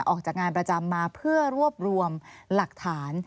ออกจากงานประจำมาเพื่อรวบรวมหลักฐาน